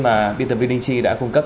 mà biên tập viên linh chi đã cung cấp